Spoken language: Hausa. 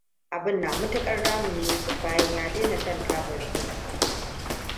Abin na matuƙar damun Yusuf bayan ya dena shan tabar turkey.